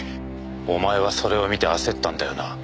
お前はそれを見て焦ったんだよな？